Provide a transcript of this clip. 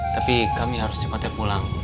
tapi kami harus cepatnya pulang